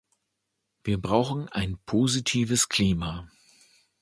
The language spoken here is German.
Wir brauchen ein positives Klima.